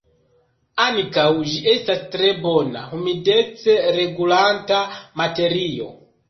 Ankaŭ, ĝi estas tre bona humidec-regulanta materio.